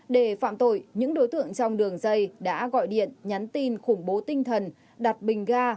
để phạm tội những đối tượng trong đường dây đã gọi điện nhắn tin khủng bố tinh thần đặt bình ga